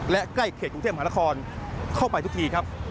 และใกล้เขตกรุงเทพมหานครเข้าไปทุกทีครับ